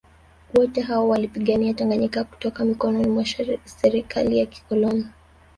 Wote hawa waliipigania Tanganyika kutoka mikononi mwa serikali ya kikoloni